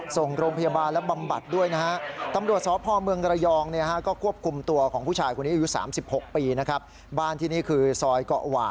ส่งโรงพยาบาลและบำบัดด้วยนะฮะ